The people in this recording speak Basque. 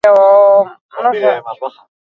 Hamarretan hasi eta ordu bata arte.